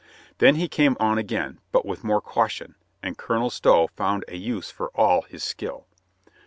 Then he came«on again, but with more caution, and Colonel Stow found a use for all his skill.